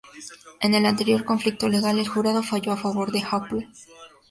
En el anterior conflicto legal, el jurado falló a favor de Apple.